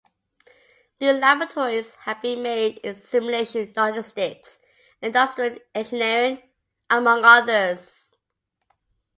New laboratories have been made in Simulation, Logistics and Industrial Engineering, among others.